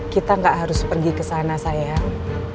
kita nggak harus pergi ke sana sayang